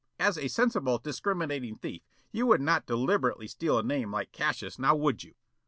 As a sensible, discriminating thief, you would not deliberately steal a name like Cassius, now would you?"